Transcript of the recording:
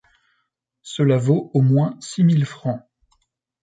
Cela vaut au moins six mille francs.